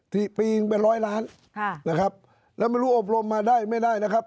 ปีหนึ่งเป็นร้อยล้านค่ะนะครับแล้วไม่รู้อบรมมาได้ไม่ได้นะครับ